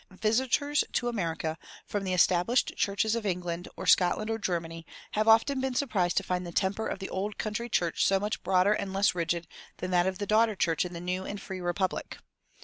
Visitors to America from the established churches of England or Scotland or Germany have often been surprised to find the temper of the old country church so much broader and less rigid than that of the daughter church in the new and free republic.